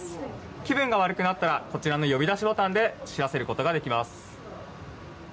気分が悪くなったらこちらの呼び出しボタンで知らせることができます。